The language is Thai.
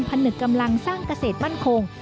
ผนึกกำลังสร้างเกษตรมั่นคง